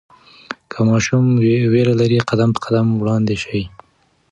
که ماشوم ویره لري، قدم په قدم وړاندې شئ.